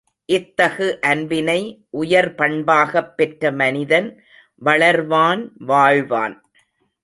இத்தகு அன்பினை உயர் பண்பாகப் பெற்ற மனிதன் வளர்வான் வாழ்வான்.